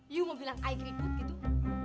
iu mau bilang i agree put gitu